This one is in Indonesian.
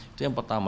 itu yang pertama